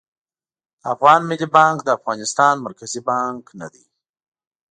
د افغان ملي بانک د افغانستان مرکزي بانک نه دي